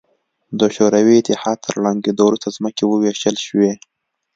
د شوروي اتحاد تر ړنګېدو وروسته ځمکې ووېشل شوې.